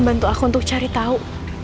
bantu aku untuk cari tahu